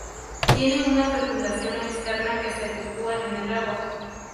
Tienen una fecundación externa que se efectúa en el agua.